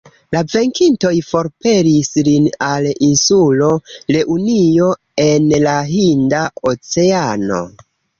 La venkintoj forpelis lin al insulo Reunio, en la Hinda Oceano.